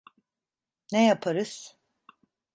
Ne yaparız?